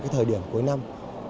thời điểm cuối năm